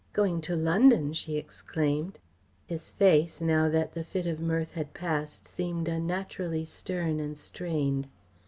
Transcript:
"Going to London!" she exclaimed. His face, now that the fit of mirth had passed, seemed unnaturally stern and strained.